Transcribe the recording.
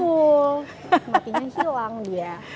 betul matinya hilang dia